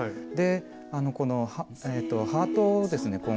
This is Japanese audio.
でこのハートをですね